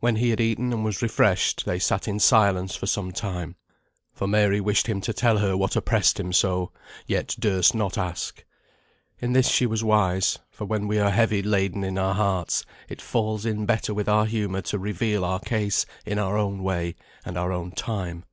When he had eaten and was refreshed, they sat in silence for some time; for Mary wished him to tell her what oppressed him so, yet durst not ask. In this she was wise; for when we are heavy laden in our hearts, it falls in better with our humour to reveal our case in our own way, and our own time.